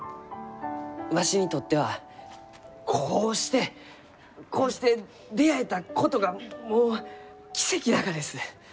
わしにとっては、こうしてこうして出会えたことが、もう奇跡なかです！